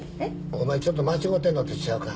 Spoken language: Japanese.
お前ちょっと間違うてんのとちゃうか？